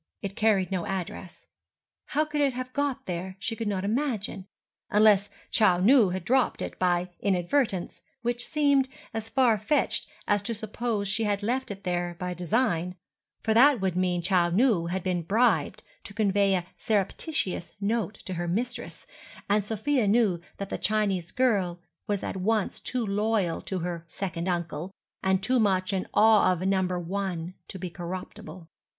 It carried no address. How it could have got there she could not imagine ... unless Chou Nu had dropped it by inadvertence, which seemed as far fetched as to suppose she had left it there by design; for that would mean Chou Nu had been bribed to convey a surreptitious note to her mistress; and Sofia knew that the Chinese girl was at once too loyal to her "second uncle," and too much in awe of "Number One," to be corruptible.